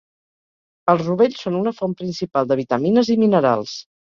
Els rovells són una font principal de vitamines i minerals.